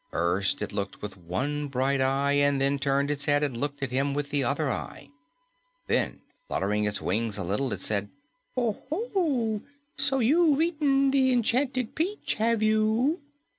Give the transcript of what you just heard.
First it looked with one bright eye and then turned its head and looked at him with the other eye. Then, fluttering its wings a little, it said, "Oho! So you've eaten the enchanted peach, have you?"